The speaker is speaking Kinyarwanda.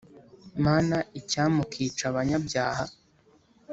Mana icyampa ukica abanyabyaha